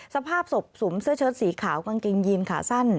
สภาพศพสวมเสื้อเชิดสีขาวกางเกงยีนขาสั้น